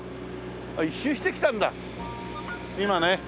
一周してきたんだ今ね。